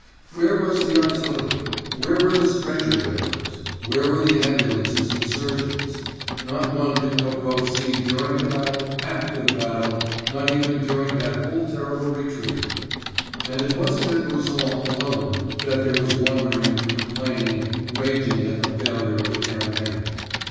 Where was the artillery? Where were the stretcher bearers? Where were the ambulances and surgeons? Not one did Coco see during the battle, after the battle—nor even during that whole terrible retreat. And it wasn't at Mouzon alone that there was wondering, complaining, raging at the failure of the campaign.